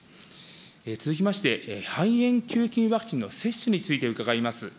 続きまして、肺炎球菌ワクチンの接種について伺います。